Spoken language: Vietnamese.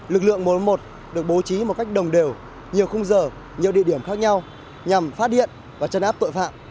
lực lượng một trăm một mươi một được bố trí một cách đồng đều nhiều khung giờ nhiều địa điểm khác nhau nhằm phát hiện và chấn áp tội phạm